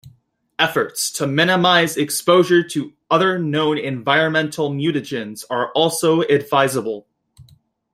Efforts to minimize exposure to other known environmental mutagens are also advisable.